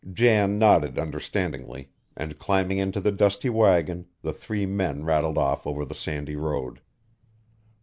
Jan nodded understandingly, and climbing into the dusty wagon, the three men rattled off over the sandy road.